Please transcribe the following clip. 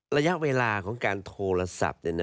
ระยะเวลาของการโทรศัพท์เนี่ยนะ